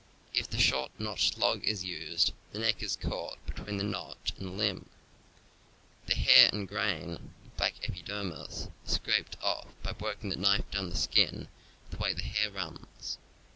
If the short notched log is used, the neck is caught between the notch and 282 CAMPING AND WOODCRAFT the limb. The hair and grain (black epidermis) are scraped off by working the knife down the skin the way the hair runs.